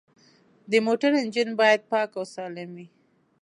د موټر انجن باید پاک او سالم وي.